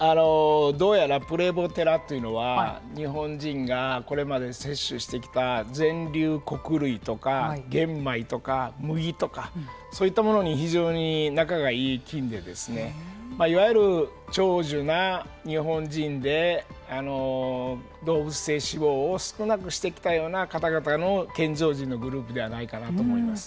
どうやらプレボテラというのは日本人がこれまで摂取してきた全粒穀類とか玄米とか麦とかそういったものに非常に仲がいい菌でいわゆる長寿な日本人で動物性脂肪を少なくして来た方々の健常児のグループではないかなと思います。